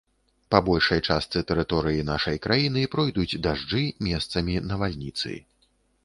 Па большай частцы тэрыторыі нашай краіны пройдуць дажджы, месцамі навальніцы.